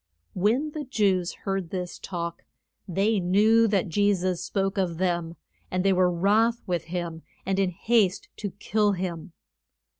When the Jews heard this talk they knew that Je sus spoke of them, and they were wroth with him, and in haste to kill him.